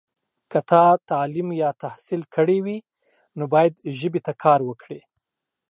که تا تعلیم یا تحصیل کړی وي، نو باید ژبې ته کار وکړې.